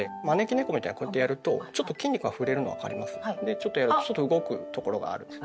ちょっとやるとちょっと動くところがあるんですね。